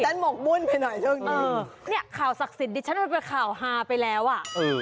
ท่านหมกหมุ่นไปหน่อยเชิงหนึ่งเออเนี้ยข่าวศักดิ์สิทธิ์ดิชนะมันเป็นข่าวหาไปแล้วอ่ะ